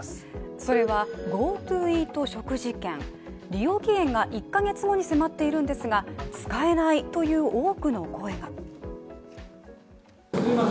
それはＧｏＴｏイート食事券の利用期限が１ヶ月後に迫っているんですが、使えないという多くの声が。